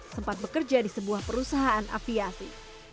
sempat bekerja di sebuah perusahaan aviasi